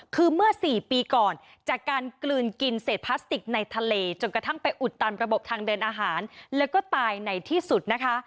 คือเมื่อ๔ปีก่อนจากการกลืนกินเศษพลาสติกในทะเลจนกระทั่งไปอุดตันระบบทางเดินอาหารแล้วก็ตายในที่สุดนะคะ